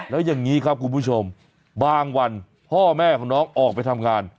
แล้วอย่างนี้ครับคุณผู้ชมบางวันพ่อแม่ของน้องออกไปทำงาน